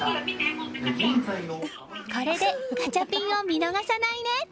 これでガチャピンを見逃さないね。